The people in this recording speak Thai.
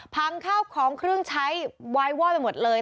ข้าวของเครื่องใช้วายว่อไปหมดเลย